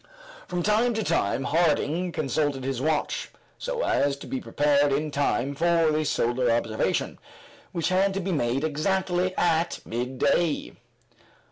From time to time Harding consulted his watch, so as to be prepared in time for the solar observation, which had to be made exactly at midday.